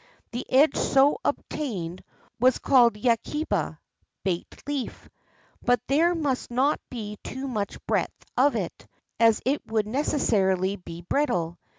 The edge so obtained was 382 THE SWORD OF JAPAN called yakiba, "baked leaf" — but there must not be too much breadth of it, as it would necessarily be brittle.